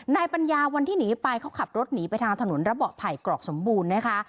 ปัญญาวันที่หนีไปเขาขับรถหนีไปทางถนนระเบาะไผ่กรอกสมบูรณ์นะคะ